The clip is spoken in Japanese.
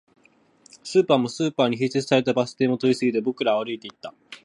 スーパーも、スーパーに併設されたバス停も通り過ぎて、僕らは歩いていった